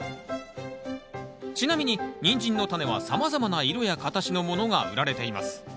ちなみにニンジンのタネはさまざまな色や形のものが売られています。